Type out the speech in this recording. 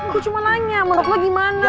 gue cuma nanya menurut lo gimana